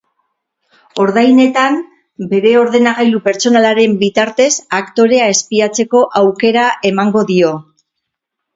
Ordainetan, bere ordenagailu pertsonalaren bitartez aktorea espiatzeko aukera emango dio.